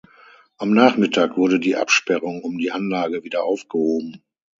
Am Nachmittag wurde die Absperrung um die Anlage wieder aufgehoben.